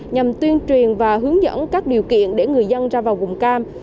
nhằm tuyên truyền và hướng dẫn các điều kiện để người dân ra vào vùng cam